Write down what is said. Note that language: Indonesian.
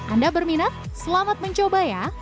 anda berminat selamat mencoba ya